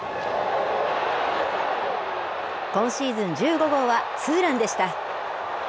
今シーズン１５号はツーランでした。